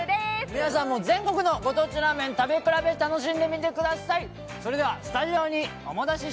皆さんも全国のご当地ラーメン食べ比べてくださいね。